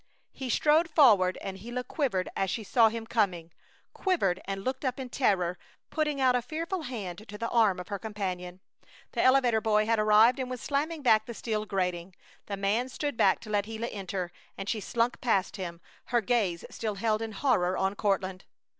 He strode forward, and Gila quivered as she saw him coming; quivered and looked up in terror, putting out a fearful hand to the arm of her companion. The elevator boy had arrived and was slamming back the steel grating. The man stood back to let Gila enter, and she slunk past him, her gaze still held in horror on Courtland.